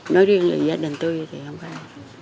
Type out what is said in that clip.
nói riêng với gia đình tôi thì không phải